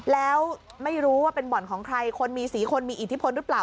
แล้วไม่รู้ว่าเป็นบ่อนของใครคนมีสีคนมีอิทธิพลหรือเปล่า